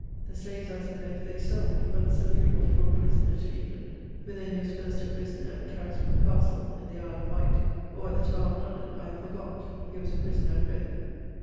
The slaves I suppose they sold, but Sir William was brought prisoner to England. Whither he was first a prisoner at Caresbroke castle in the Isle of Wight, or at the Tower of London, I have forgott: he was a prisoner at both.